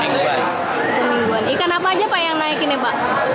semingguan ikan apa aja pak yang naik ini pak